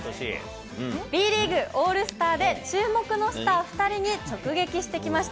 Ｂリーグ・オールスターで注目のスター２人に直撃してきました。